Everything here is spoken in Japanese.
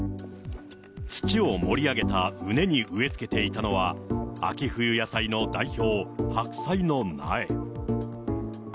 土を盛り上げたうねに植え付けていたのは、秋冬野菜の代表、白菜の苗。